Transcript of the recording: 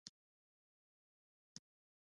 موږ غوښه له کومه کوو؟